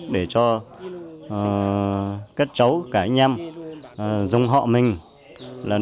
để cho các cháu cả nhà các cháu tự quản